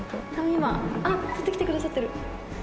今あっ取ってきてくださってる。